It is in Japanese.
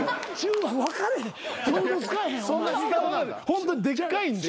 ホントにでかいんで。